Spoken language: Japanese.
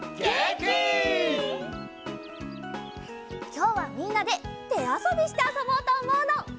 きょうはみんなでてあそびしてあそぼうとおもうの。